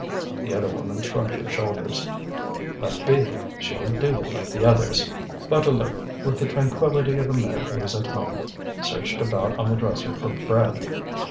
The other woman shrugged her shoulders. "Let be! she'll do like the others." Bouteloup, with the tranquillity of a man who is at home, searched about on the dresser for bread.